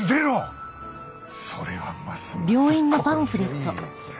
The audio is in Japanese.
それはますます心強い。